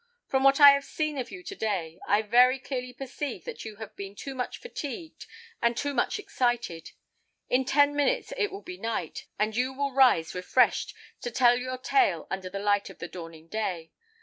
From what I have seen of you to day, I very clearly perceive that you have been too much fatigued, and too much excited. In ten minutes it will be night, and you will rise refreshed, to tell your tale under the light of the dawning day.